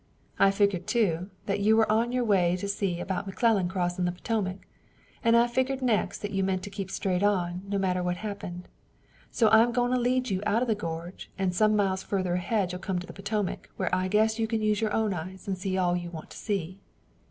I figgered, too, that you were on your way to see about McClellan crossin' the Potomac, an' I figgered next that you meant to keep straight on, no matter what happened. So I'm goin' to lead you out of the gorge, and some miles further ahead you'll come to the Potomac, where I guess you can use your own eyes and see all you want to see."